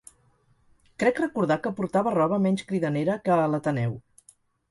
Crec recordar que portava roba menys cridanera que a l'Ateneu.